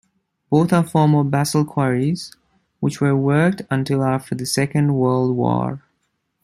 Both are former basalt quarries, which were worked until after the Second World War.